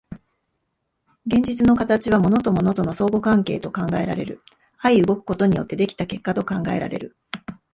現実の形は物と物との相互関係と考えられる、相働くことによって出来た結果と考えられる。